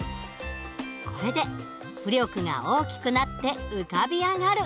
これで浮力が大きくなって浮かび上がる。